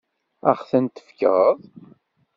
Ad ɣ-ten-tefkeḍ?